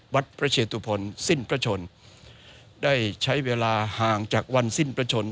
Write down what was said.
วัดพระเชตุพลสิ้นพระชนได้ใช้เวลาห่างจากวันสิ้นประชน